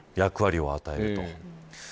役割を与えると。